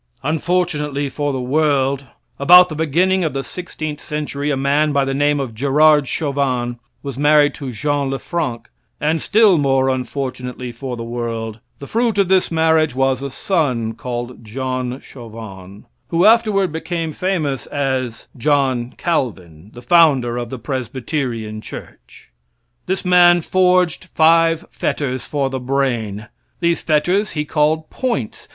Unfortunately for the world, about the beginning of the sixteenth century a man by the name of Gerard Chauvin was married to Jeanne Lefranc, and still more unfortunately for the world, the fruit of this marriage was a son, called John Chauvin, who afterward became famous as John Calvin, the founder of the Presbyterian church. This man forged five fetters for the brain. These fetters he called points.